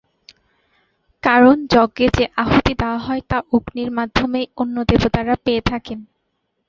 কারণ, যজ্ঞে যে আহুতি দেওয়া হয় তা অগ্নির মাধ্যমেই অন্য দেবতারা পেয়ে থাকেন।